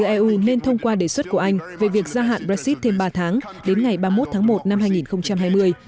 eu nên thông qua đề xuất của anh về việc gia hạn brexit thêm ba tháng đến ngày ba mươi một tháng một năm hai nghìn hai mươi